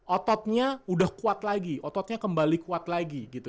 ototnya udah kuat lagi ototnya kembali kuat lagi gitu